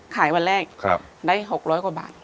วันแรกได้๖๐๐กว่าบาท